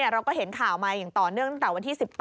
เราก็เห็นข่าวใหม่หรือต่อเนื่องตัววันที่๑๘